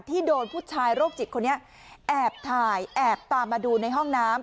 โดนผู้ชายโรคจิตคนนี้แอบถ่ายแอบตามมาดูในห้องน้ำ